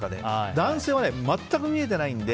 男性は全く見えてないので。